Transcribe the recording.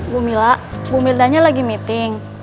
bu mila bu mirdanya lagi meeting